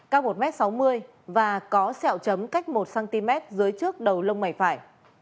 các một m sáu mươi và có sẹo chấm cách một cm dưới trước đầu lông mảy phải